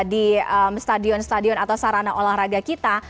di stadion stadion atau sarana olahraga kita